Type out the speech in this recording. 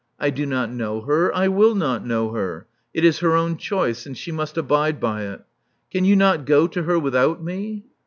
I do not know her: I will not know her. It is her own choice ; and she must abide by it Can you not go to her without me?"